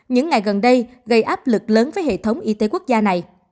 những ngày gần đây gây áp lực lớn với hệ thống y tế quốc gia này